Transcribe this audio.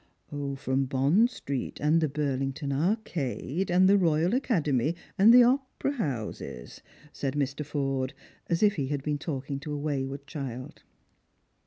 " From Bond street, and the Burlington arcade, and the Eoyal Academy, and the opera houses," said Mr. Forde, as if he had been talking to a wayward child.